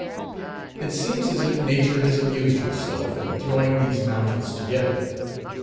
It seems as if Nature has amused herself in throwing these mountains together.